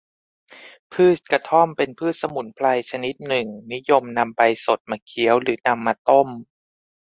พืชกระท่อม เป็นพืชสมุนไพรชนิดหนึ่ง นิยมนำใบสดมาเคี้ยว หรือนำมาต้ม